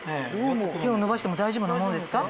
手を伸ばしても大丈夫なものですか？